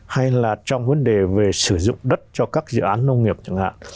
hay là trong vấn đề về sử dụng đất cho các dự án nông nghiệp chẳng hạn